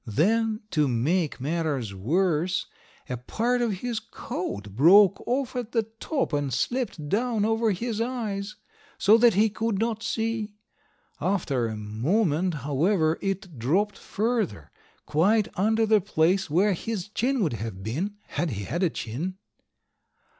Then, to make matters worse, a part of his coat broke off at the top and slipped down over his eyes, so that he could not see. After a moment, however, it dropped further, quite under the place where his chin would have been, had he had a chin.